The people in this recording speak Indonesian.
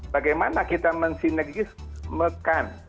bagaimana kita mensinergismekan